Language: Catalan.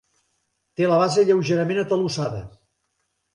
Té la base lleugerament atalussada.